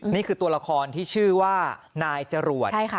นี่คือตัวละครที่ชื่อว่านายจรวด